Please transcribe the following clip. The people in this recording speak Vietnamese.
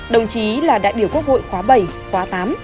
đồng chí là đại biểu quốc hội khóa bảy khóa tám